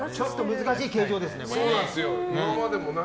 難しい形状ですね。